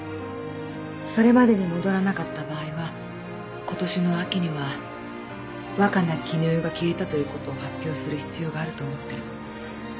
それまでに戻らなかった場合はことしの秋には若菜絹代が消えたということを発表する必要があると思ってる。